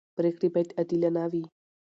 پرېکړې باید عادلانه وي